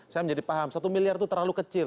saya menjadi paham satu miliar itu terlalu kecil